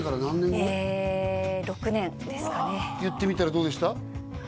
言ってみたらどうでした？